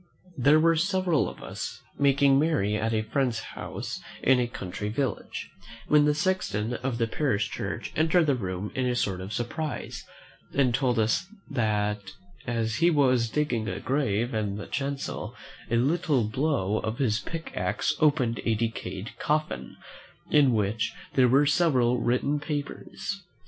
There were several of us making merry at a friend's house in a country village, when the sexton of the parish church entered the room in a sort of surprise, and told us "that, as he was digging a grave in the chancel, a little blow of his pick axe opened a decayed coffin, in which there were several written papers."